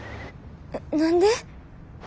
何で？